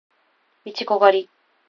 いちご狩り